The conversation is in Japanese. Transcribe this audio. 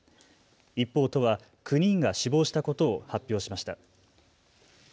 一方、都は９人が死亡したことを発表しました。